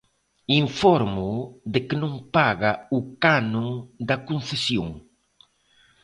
Infórmoo de que non paga o canon da concesión.